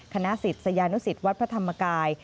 คณะสิทธิ์สยานุสิทธิ์วัดพระธรรมกาย